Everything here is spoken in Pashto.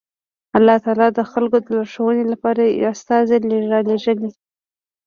الله تعالی د خلکو د لارښوونې لپاره استازي رالېږل